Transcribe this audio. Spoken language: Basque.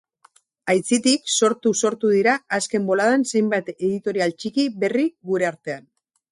Aitzitik, sortu sortu dira azken boladan zenbait editorial txiki berri gure artean.